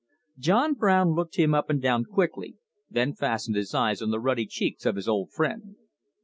John Brown looked him up and down quickly, then fastened his eyes on the ruddy cheeks of his old friend.